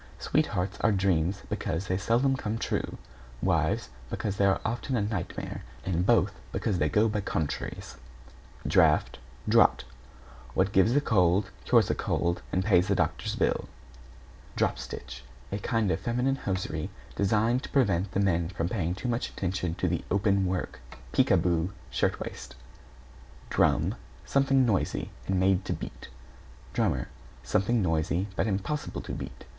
Sweethearts are dreams because they seldom come true; wives, because they're often a night mare, and both because they go by contraries. =DRAFT= (=DRAUGHT=) What gives a cold, cures a cold, and pays the doctor's bill. =DROP STITCH= A kind of feminine hosiery designed to prevent the men from paying too much attention to the open work, "peek a boo" shirt waist. =DRUM= Something noisy, and made to beat. =DRUMMER= Something noisy, but impossible to beat.